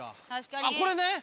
あっこれね。